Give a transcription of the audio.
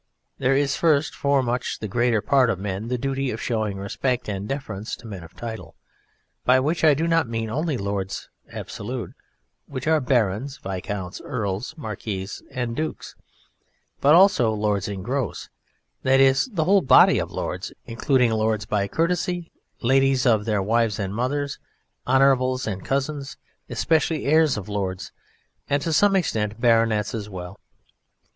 There is first for much the greater part of men the duty of showing respect and deference to men of title, by which I do not mean only Lords absolute (which are Barons, Viscounts, Earls, Marquises and Dukes), but also Lords in gross, that is the whole body of lords, including lords by courtesy, ladies, their wives and mothers, honourables and cousins especially heirs of Lords, and to some extent Baronets as well.